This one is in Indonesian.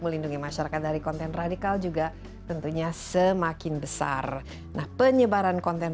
melindungi masyarakat dari konten radikal juga tentunya semakin besar nah penyebaran konten